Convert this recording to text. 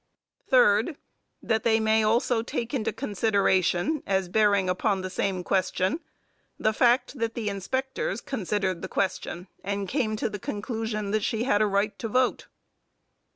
Third That they may also take into consideration as bearing upon the same question, the fact that the inspectors considered the question, and came to the conclusion that she had a right to vote.